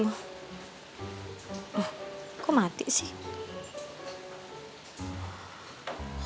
loh kok mati sih